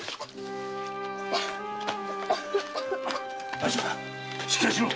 大丈夫か⁉しっかりしろ！